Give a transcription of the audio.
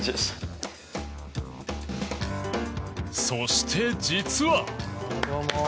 そして、実は。